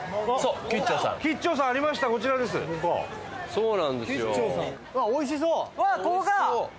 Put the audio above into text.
そうなんですよ。